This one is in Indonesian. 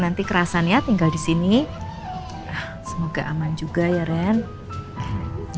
aku pernah teenagers mohon